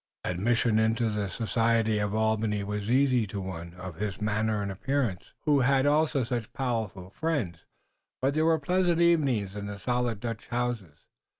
Admission into the society of Albany was easy to one of his manner and appearance, who had also such powerful friends, and there were pleasant evenings in the solid Dutch houses.